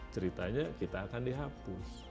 ceritanya kita akan dihapus